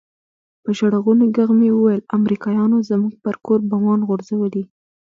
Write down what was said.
په ژړغوني ږغ مې وويل امريکايانو زموږ پر کور بمان غورځولي.